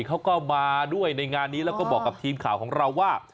เขาก็มาด้วยในงานนี้แล้วก็บอกกับทีมข่าวของเราว่า